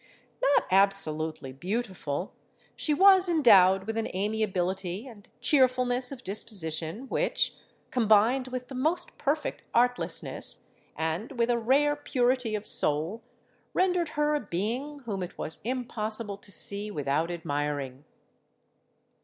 Not absolutely beautiful, she was endowed with an amiability and cheerfulness of disposition which, combined with the most perfect artlessness and with a rare purity of soul, rendered her a being whom it was impossible to see without admiring.